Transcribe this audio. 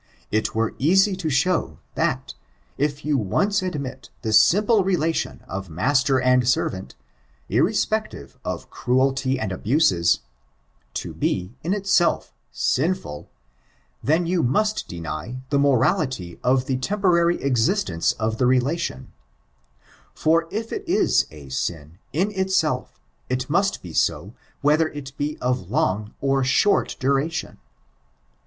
It were easy to show, that, if you once admit the simple relation of master and servant, irrespective of cruelty and abuses, to be, in itself, sinfiil, then you must deny the morality of a temporary existence of the relation; f<>r if it is a sin, in itself, it must be so whether it be of long or short duration.